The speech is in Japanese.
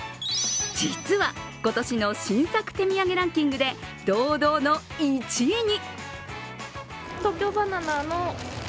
実は、今年の新作手土産ランキングで堂々の１位に。